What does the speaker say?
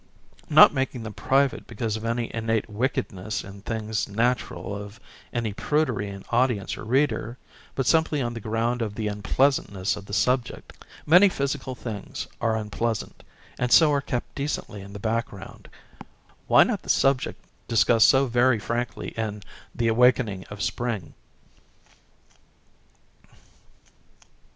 Not making them private because of any innate wickedness in things] natural â€" of any prudery in audience or reader, butj simply on the ground of the unpleasantness of the subject. Many physical things are unpleasant, and so are kept decently in the background ; why not the subject discussed so very frankly in "The Awakening of Spring"?